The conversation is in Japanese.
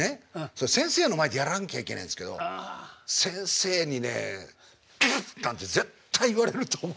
それ先生の前でやらなきゃいけないんですけど先生にね「プッ！」なんて絶対言われると思って。